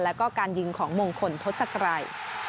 แล้วก็การยิงของมงคลทศกรัย